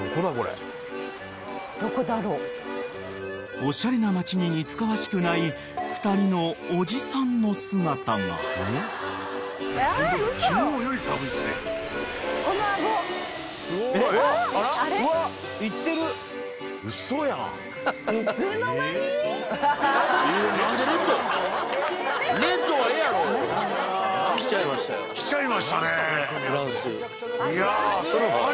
［おしゃれな街に似つかわしくない２人のおじさんの姿が］来ちゃいましたね。